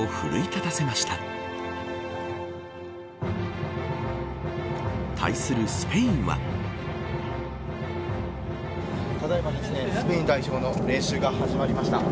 ただいまスペイン代表の練習が始まりました。